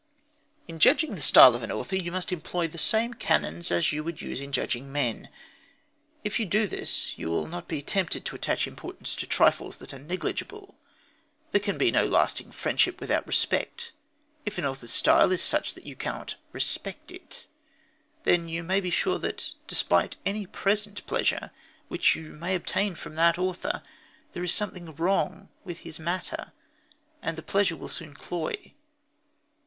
In judging the style of an author, you must employ the same canons as you use in judging men. If you do this you will not be tempted to attach importance to trifles that are negligible. There can be no lasting friendship without respect. If an author's style is such that you cannot respect it, then you may be sure that, despite any present pleasure which you may obtain from that author, there is something wrong with his matter, and that the pleasure will soon cloy.